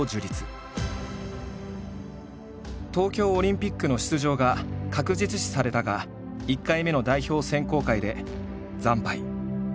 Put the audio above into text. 東京オリンピックの出場が確実視されたが１回目の代表選考会で惨敗。